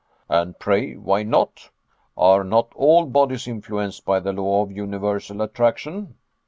"And pray why not? Are not all bodies influenced by the law of universal attraction?